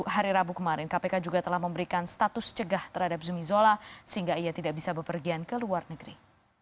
hari rabu kemarin kpk juga telah memberikan status cegah terhadap zumi zola sehingga ia tidak bisa berpergian ke luar negeri